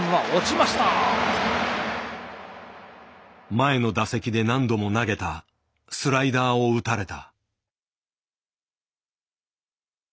前の打席で何度も投げたスライダーを打たれた。